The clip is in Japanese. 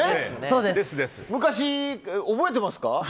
昔、覚えてますか？